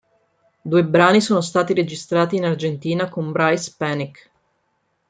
Due brani sono stati registrati in Argentina con Bryce Panic.